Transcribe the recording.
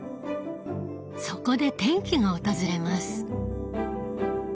そこで転機が訪れます。